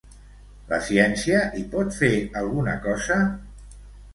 La ciència hi pot fer alguna cosa?